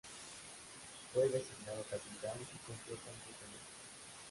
Fue designado capitán y cumplió con su cometido.